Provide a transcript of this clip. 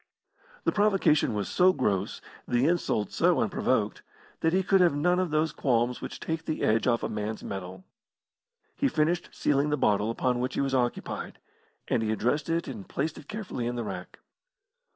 The provocation was so gross, the insult so unprovoked, that he could have none of those qualms which take the edge off a man's mettle. He finished sealing the bottle upon which he was occupied, and he addressed it and placed it carefully in the rack.